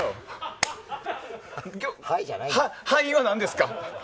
敗因は何ですか？